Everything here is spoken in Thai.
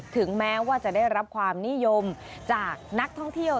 ถึงแม้ว่าจะได้รับความนิยมจากนักท่องเที่ยว